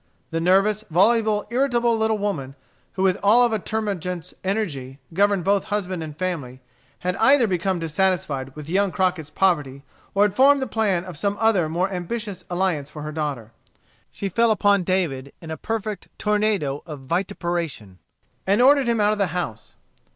The nervous, voluble, irritable little woman, who with all of a termagant's energy governed both husband and family, had either become dissatisfied with young Crockett's poverty, or had formed the plan of some other more ambitious alliance for her daughter. She fell upon David in a perfect tornado of vituperation, and ordered him out of the house.